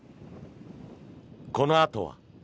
このあとは。